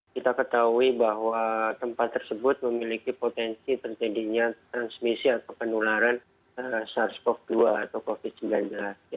kita ketahui bahwa tempat tersebut memiliki potensi terjadinya transmisi atau penularan sars cov dua atau covid sembilan belas